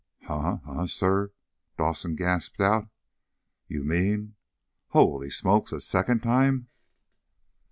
"Huh, huh, sir?" Dawson gasped out. "You mean ? Holy smokes! A second time?"